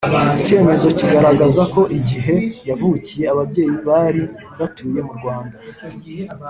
icyemezo kigaragaza ko igihe yavukiye ababyeyi bari batuye mu rwanda